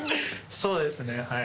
そうですね、はい。